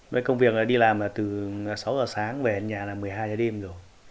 với công việc là đi làm là từ sáu h sáng về nhà là một mươi hai h đêm rồi